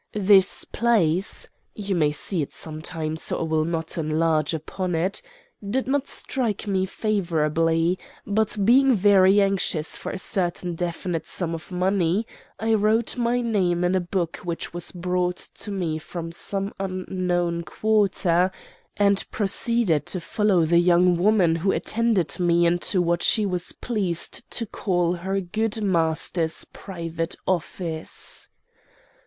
This place you may see it sometime, so I will not enlarge upon it did not strike me favorably; but, being very anxious for a certain definite sum of money, I wrote my name in a book which was brought to me from some unknown quarter, and proceeded to follow the young woman who attended me into what she was pleased to call her good master's private office.